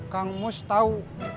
kang mus tau